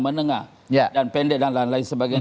menengah dan pendek dan lain lain sebagainya